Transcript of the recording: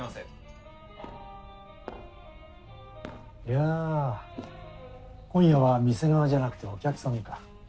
やあ今夜は店側じゃなくてお客さんか。